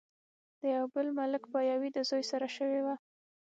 د يو بل ملک پاياوي د زوي سره شوې وه